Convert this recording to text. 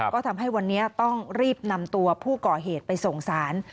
ก็ทำให้วันนี้ต้องรีบนำตัวผู้ก่อเหตุไปส่งสาร